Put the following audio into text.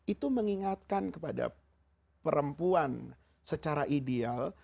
itu mengingatkan kepada perempuan secara ideal